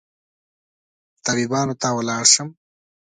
طبيبانو ته ولاړ شم